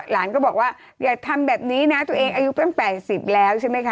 หลานก็บอกว่าอย่าทำแบบนี้นะตัวเองอายุตั้ง๘๐แล้วใช่ไหมคะ